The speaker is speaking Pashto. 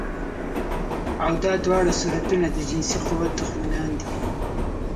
او دا دواړه صورتونه د جنسي قوت دښمنان دي